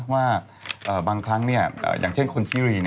ว่าบางครั้งอย่างเช่นคนชิลี